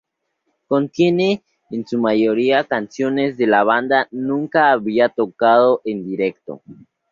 Contiene en su mayoría canciones que la banda nunca había tocado en directo.